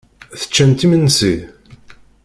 Teččamt imensi?